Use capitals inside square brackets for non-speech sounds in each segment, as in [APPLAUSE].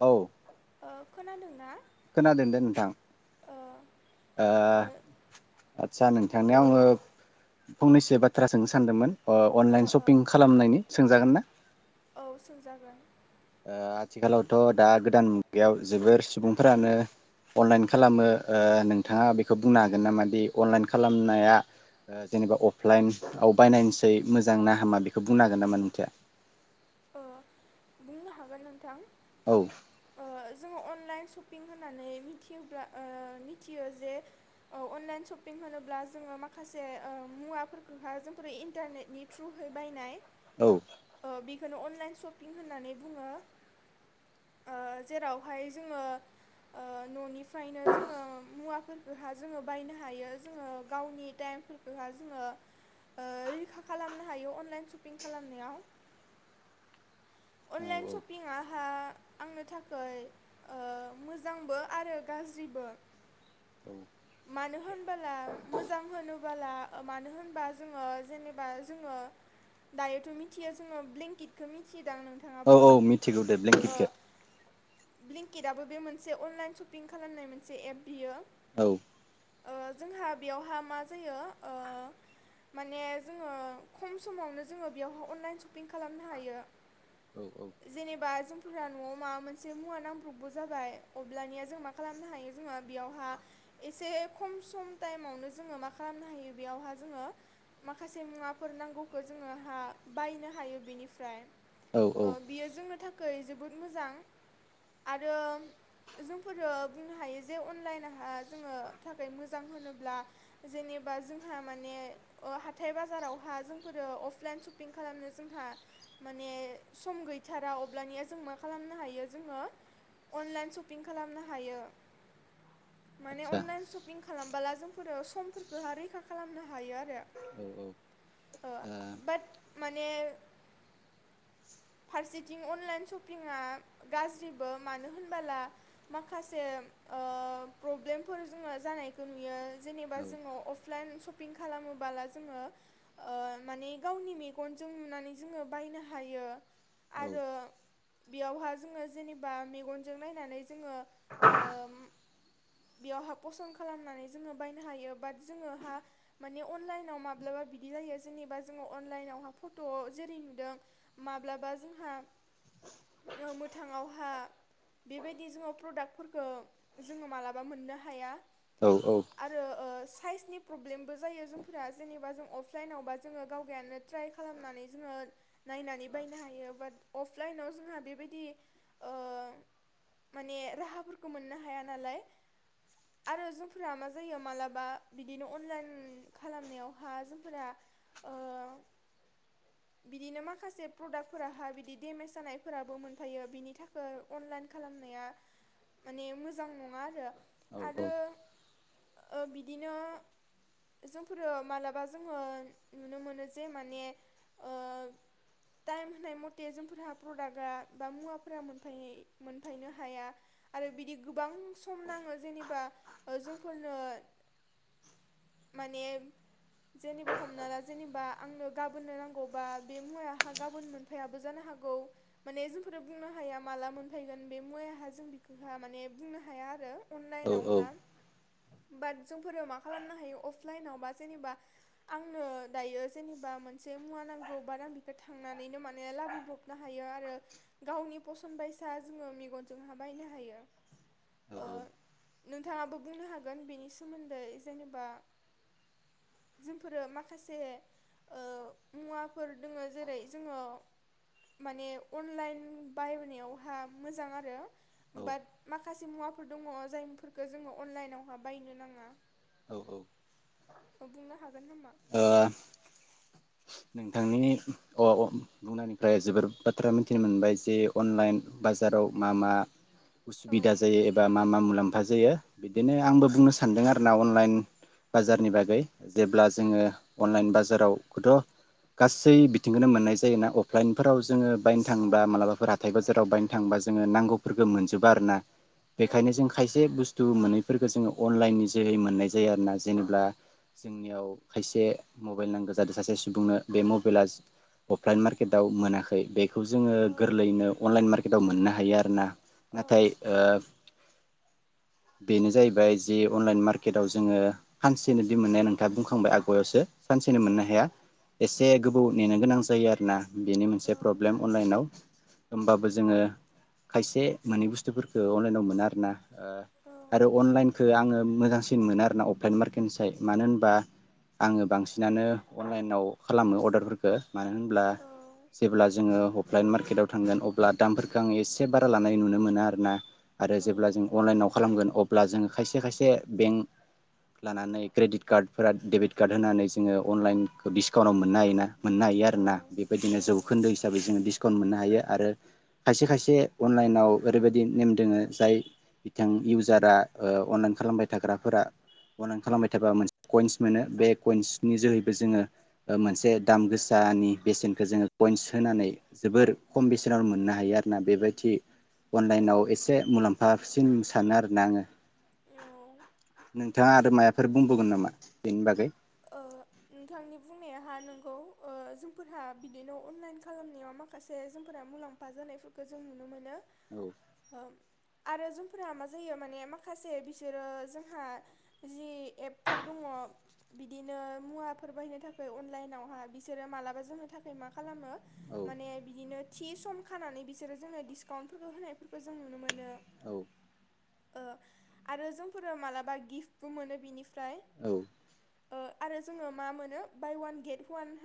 औ और खोनादोंना? खोनादों दे नोंथां ओ ओ थांनायाव आङो फंनैसो बाथ्रा सोंनो सानदोंमोन ओ अनलाइन ओ सपिं खालामनायनि सोंजागोन ना औ सोंजागोन। आथिखालावथ दा गोदान मुगायाव जोबोर सुबुंफोरानो अनलाइन खालामो ओ नोंथाङा बेखौ बुंनो हागोन नामा दि अनलाइन खालामनाया जेनेबा अफलाइनआव बायनायनिसाय मोजां ना हामा बेखौ बुंनो हागोन नामा नोंथाङा? ओ बुंनो हागोन नोंथां। औ अ जोङो अनलाइन पिं होनानै मिथियोब्ला ओ मिथियो जे औ अनलाइन सपिं होनोब्ला जोङो माखासे ओ मुवाफोरखौहा जोंफोर इन्टारनेटनि थ्रुहै बायनाय। औ ओ बेखौनो अनलाइन सपिं होननानै बुङो ओ जेरावहाय जोङो ओ ननिफ्रायनो जोङो मुवाफोरखौहा जोङो बायनो हायो जोङो गावनि टाइमफोरखौहा जोङो ओ रैखा खालामनो हायो अनलाइन सपिं खालामनायाव। औ अनलाइन सापिंआ आ आंनो थाखाय ओ मोजांबो आरो गाज्रिबो मानो होनबोला मोजां होनबोला मानो होनबा जोङो जेनेबा जोङो दायोथ मिथियो जोङो ब्लेंकेटखौ मिथि औ औ मिथिगौ दे ब्लेंकेटखो। ब्लिंकिटआबो बे मोनसे अनलाइन सपिं खालामनाय मोनसे एप बियो। औ। ओ जोंहा बेयावहा मा जायो माने जोङो खम समावनो जोङो बेयावहाय अनलाइन सपिं खालामनो हायो। जेनेबा जोंफोरा नआव माबा मोनसे मुवा नांब्रबबो जाबाय अब्लानिया जों मा खालामनो हायो जोङो बेयावहा एसे खम सम टाइमावनो जोङो मा खालामनो हायो बेयावहा जोङो माखासे मुवाफोर नांगौखौ जोङोहा बायनो हायो बेनिफ्राय। औ औ अ बियो जोंनो थाखाय खाय जोबोद मोजां आरो जोंफोरो बुंनो हायो जे अनलाइनहा जोङो थाखाय मोजां होनोब्ला जेनेबा जोंहा माने हाथाय बाजारावहा जोंफोरो अफलाइन सपिं खालामनो जोंहा माने सम गैथारा अब्लानिया जों मा खालामनो हायो जोङो अनलाइन सपिं खालामनो हायो। माने आदसा अनलाइन सपिं खालाम बाला जोंफोरो समफोरखोहा रैखा खालामनो हायो आरो। औ औ ओ औ बाट माने फारसेथिं अनलाइन सपिंआ गाज्रिबो मानो होनबोला माखासे ओ प्रब्लेमफोर जोङो जानायखौ नुयो। जेनेबा जोङो अफ लाइन सपिं खालामोबोला ओ जोङो माने गावनि मेगनजों नुनानै जोङो बायनो हायो। हायो आरो बेयावहा जोङो जेनेबा मेगनजों नायनानै जोङो ओ [UNINTELLIGIBLE] बेयावहा पसन खालामनानै जोङो बायनो हायो बाट जोङोहा माने अनलाइनाव माब्लाबा बिदि लायो जेनेबा जोङो अनलाइनावहा फट जेरै नुदों माब्लाबा जोंहा मोथाङावहा बेबायदि जों प्रडाक्टफोरखौ जोङो मालाबा मोननो हाया। औ औ आरो ओ साइसनि प्रब्लेमबो जायो जोंफोरा जेनेबा जों अफलाइनावबा जोङो गावगायानो ट्राइ खालामनानै जोङो नायनानै बायनो हायो बाट अफलाइनाव जोंहा बेबायदि ओ‌ माने राहाफोरखौ मोननो हाया नालाय आरो जोंफोरा मा जायो मालाबा बिदिनो अनलाइन खालामनायावहा जोंफोरा ओ बिदिनो माखा माखासे प्रडाक्टफोराहा बिदि दडेमेज जानायफोराबो मोनफायो बिनि थाखाय अनलाइन खालामनाया माने मोजां नङा आरो। औ आरो औ ओ बिदिनो जोंफोरो मालाबा जोङो नुनो मोनो जे माने ओ टाइम होनाय मथे जोंफोरहा प्रडाक्टआ बा मुवाफोरा मोनफाय मोनफायनो हाया आरो बिदि गोबां सम नाङो जेनेबा जोंफोरनो माने जेनेबा हमना ला जेनेबा आंनो गाबोननो नांगौबा बे मुवाया आंहा गाबोन मोनफायाबो जानो हागौ माने जोंफोरो बुंनो हाया माला मोनफैगोन बे मुवायाहा जों बिखौहा माने बुंनो हाया आरो औ अनलाइनावहा बाट जोंफोरो मा खालामनो हायो अफलाइनाव बा जेनेबा आंनो दायो जेनेबा मोनसे मुवा नांगौ बाट आं बि थांनानैनो माने लाबोब्रबनो हायो आरो गावनि फसन बायसा जोङो मेगनजोंहा बायनो हायो औ ओ नोंथाङाबो बुंनो हागोन बेनि सोमोन्दै जेनेबा जोंफोरो माखासे ओ मुवाफोर जोङो जेरै जोङो माने अनलाइन बायनायावहा मोजां आरो औ बाट माखासे मुवाफोर दङ जायफोरखौ जोङो अनलाइनावहा बायनो नाङा। औ औ। बुंनो हागो हागोन खोमा। नोंथांनि बुंनायनिफ्राय जोबोर बाथ्रा मिथिनो मोनबाय जे अनलाइन बाजाराव मा मा उसुबिदा जायो एबा मा मा मुलाम खाजोयो बिदिनो एबा आंबो बुंनो सानदों आर ना अनलाइन बाजारनि बागै जेब्ला जोङो अनलाइन बाजाराव खथ गासै बिथिंखौनो मोननाय जायोना अफलाइनफोराव जोङो बायनो थांङोबा मालाबाफोर हाथाय बाजाराव बायनो थांङोबा जोङो नांगौफोरखौ मोनजोबा आरो ना मोननाय जायो ना अफलाइनफोराव जोङो बायनो थाङोब्ला मालाबाफोर बेखायनो जों खायसे बुस्थु मोनैफोरखौ जोङो अनलाइननि जोहै मोननाय जायो आरो ना जेनेबा जोंनियाव खायसे मबाइल नांगौ जादों सासे सु बुंनो बे मबाइला अफलाइन मार्केटाव मोनाखै बे खौ जोङो गोरलैनो अनलाइन मार्केट आव मोननो हायो आरो ना। नाथाय ओ जेनेबा अफलाइन मार्केटाव मोनाखै बेखौ जोङो गोरलैयैनो अनलाइन मार्केटाव मोननो हायो आरो ना नाथाय ओ बेनो जाहैबाय जि अनलाइन मार्केटाव जोङो खानसेनो दि मोननाया नोंथाङा बुंखांबाय आगायावसो सानसेनो मोननो हाया। एसे गोबाव नेनो गोनां जायो आरोना। बेनि मोनसे प्रब्लेम अनलाइनाव। होमबाबो जोङो खायसे मोनै बुस्थुफोरखौ अनलाइनाव मोना आरो ना। ओ अनलाइनाव औ आरो अनलाइनखौ आङो मोजांसि सिन मोनो आरोना अफलाइन मार्केटनि साइ मानो होनबा आङो बांसिनानो अनलाइनाव खालामो अर्डारफोरखौ मानो होनब्ला औ जेब्ला जोङो अफलाइन मार्केटाव थांगोन अब्ला दामफोरखौ आङो एसे बारा लानाय नुनो मोना आरो ना। आरो जेब्ला जों अनलाइनाव खालामगोन अब्ला जोङो खायसे खायसे खायसे बेंक लानानै क्रेडिट कार्डफोरा देबिट कार्ड होनानै जोङो अनलाइनखो बि मोननो हायोना मोननो हायो औ आरोना बेदिनो जौखोनदो हिसाबै जोङो डिसकाउन्ट मोननो हायो। आरो खायसे खायसे अनलाइनाव ओरैबायदि नेम दोङो जाय बिथां इउ जारा ओ अनलाइन खालामबाय थाग्राफोरा अनलाइन खालामबाय थाबा मोनसे कइन्स मोनो बे कइन्सनि जोहैबो जोङो। मोनसे दाम गोसानि बेसेनखौ जोङो कइन्स होनानै जोबोर खम बेसेनावनो मोननो हायो आरोना बेबायदि थि अनलाइनाव एसे मुलामफासिन सानो आरोना आङो। औ ओ नोंथाङा आरो माया फोर बुंबोवगोन नामा बेनि बागै? औ नोंथांनि बुंनाय हा नंगौ ओ जोंफोरहा बिदिनो अनलाइन खालामनायाव माखासे जोंफोरा मुलाम्फा जानायफोरखौ जों नुनो मोनो। औ आरो जोंफोरा मा जायो माने माखासे बिसोरो जोंहा जि एपफोर दङ बिदिनो मुवाफोर बायनो थाखाय अनलाइनावहा बिसोरो मालाबा जोंनो थाखाय मा खालामो? औ माने बिदिनो थि सम खानानै बिसोरो जोंनो डिसकाउन्टफोरखौ होनायफोरखौ जों नुनो मोनो। औ ओ आरो जोंफोरो मालाबा गिफ्टबो मोनो बिनिफ्रा औ ओ आरो जोङो मा मोनो बाय वान गेट हवान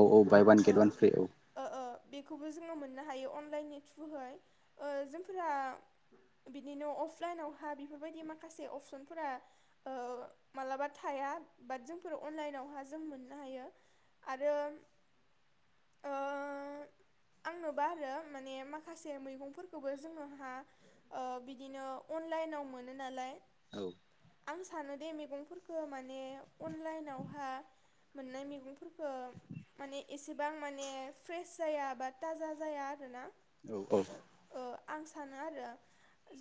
औ औ बाय वान गेट वान फ्रि औ ओ ओ बेखौबो जोङो मोननो हायो अनलाइननि थ्रुहै ओ जोंफोरा बिनिनो अफलाइनावहा बेफोरबायदि माखासे अपसनफोरा ओ मालाबा थाया बाट जोंफोर अनलाइनावहा जों मोननो हायो आरो ओ आंनोबा आरो माने माखासे मैगंफोरखौबो जोङोहा ओ बिदिनो अनलाइनाव मोनो नालाय औ आं सानो दे मैगंफोरखौ माने अनलाइनावहा मोननाय मैगंफोरखो माने एसेबां माने फ्रेस जाया बा थाजा जाया आरोना औ औ आं सानो आरो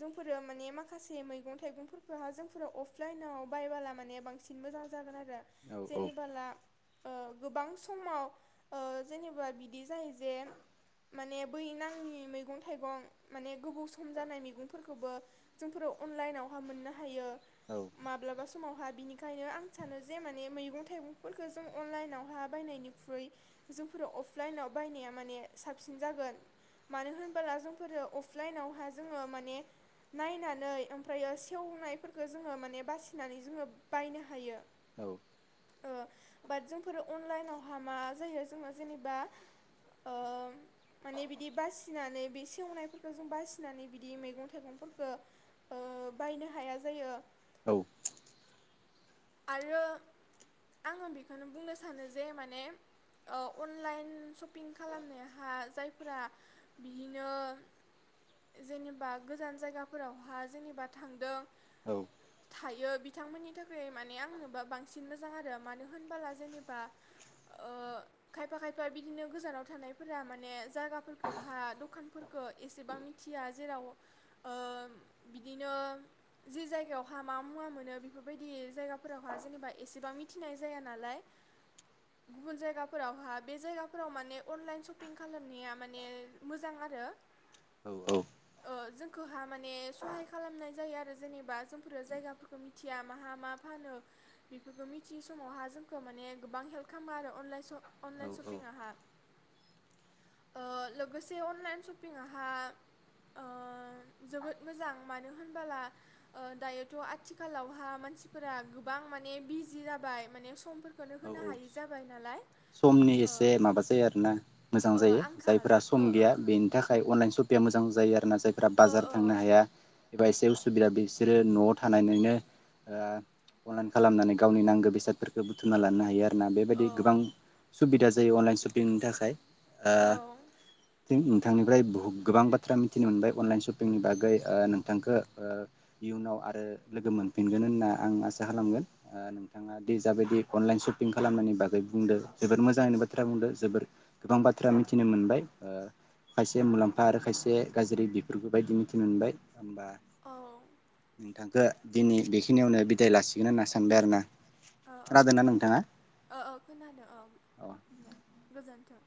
जोंफोरो माने माखासे मैगं थाइगंफोरखौहा जोंफोरा अफलाइनाव बायबाला माने बांसिन मोजां जायो जागोन आरो औ औ जेनिबाला ओ गोबां समाव ओ जेनेबा बिदि जायो जे माने बै नाङि मैगं थाइगं माने गोबाव सम जानाय मैगंफोरखौबो जोंफोरो अनलाइनावहा मोननो हायो औ माब्लाबा स समावहा बिनिखायनो आं आं सानो जे माने मैगं थाइगंफोरखौ जों अनलाइनावहा बायनायनिख्रुइ जोंफोरो अफलाइनाव बायनाया माने साबसिन जागोन मानो होनबाला जोंफोरो अफलाइनावहा जोङो माने नायनानै ओमफ्रायो सेवनायफोरखौ जोङो माने बासिनानै जोङो बायनो हायो औ ओ बाट जोंफोरो अनलाइनावहा मा जायो जोङो जेनेबा ओ माने बिदि बासिनानै बे सेवनायफोरखौ जों बासिनानै बिदि मैगं थाइगंफोरखौ ओ बायनो हाया जायो औ आरो आङो बेखौनो बुंनो सानो जे माने अनलाइन ओ शपिं खालामनायहा जायफोरा बिदिनो जेनेबा गोजान जायगाफोरावहा जेनेबा थांदों औ थायो बिथांमोननि थाखाय माने आंनोबा बांसिन मोजां आरो मानो होनबाला जेनेबा ओ खायफा खायफा बिदिनो गोजानाव थानायफोरा माने जायगाफोरखौहा दखानफोरखौ एसेबां मिथिया जेराव ओ बिदिनो जे जायगायावहा मा मुवा मोनो बेफोरबायदि जायगाफोरावहा जेनेबा एसेबां मिथिनाय जाया नालाय गुबुन जायगाफोरावहा बे जायगाफोराव माने अनलाइन सशपिं खालामनाया माने मोजां आरो औ औ गोहा माने सहाय खालामनाय जायो आरो जेनेबा जोंफोरो जायगाफोरखौ मिथिया माहा मा फानो बेफोरखौ मिथियै समावहा जोंखौ माने गोबां हेल्प खालामो आरो अनलाइन स अनलाइन औ सपिंआहा ओ लोगोसे अनलाइन सपिंआहा ओ जोबोद मोजां मानो होनबोला दायोथ' आथिखालावहा मानसि फोरा गोबां माने बिजि जाबाय माने समफोर औ औ समनि ओ एसे माबा जायो आरोना मोजां ओ जायो आंखाल जायफोरा सम ओ गैया ओ बेनि थाखाय अनलाइन सपिं बे मोजां जायो आरो ना जाय फोरा ओ बाजार थांनो हाया एबा एसे उसुबिदा बिसोरो न'आव थानानैनो ओ अनलाइन खालामनानै गावनि नांगो बेसादफोरखौ बुुथुमना लानो हायो आ ना औ बेबायदि गोबां सुबिदा जायो अनलाइन सपिंनि थाखाय ओ औ थिं नोंथांनिफ्राय बहु गोबां बाथ्रा मिथिनो मोनबाय अनलाइन सपिंनि ओ बागै ओ नोंथांखौ ओ इयुनाव आरो लोगो मोनफिनगोन होनना आं आसा खालामगोन। ओ नोंथाङा दि जाबादि अनलाइन सपिं खालामनायनि बागै बुंदो जोबोर मोजाङैनो बाथ्रा बुंदो जोबोर गोबां बाथ्रा मिथिनो मोनबाय ओ खायसे मुलाम्फा आरो खायसे गाज्रि बेफोरखौ बायदि मिथिनो मोनबाय। होमबा औ नोंथां दिनै बेखिनियावनो बिदाय लासिगोन होनना सानबाय आरोना। अ अ खोनादोंना दे नोंथाङा? अ अ खोनादो अ दे गोजोनथों।